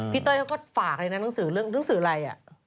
เต้ยเขาก็ฝากเลยนะหนังสือเรื่องหนังสืออะไร